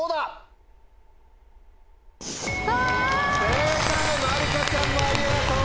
正解まりかちゃんもありがとう。